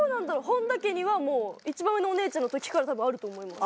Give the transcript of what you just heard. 本田家には一番上のお姉ちゃんのときからたぶんあると思います。